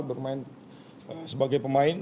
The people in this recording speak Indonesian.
bermain sebagai pemain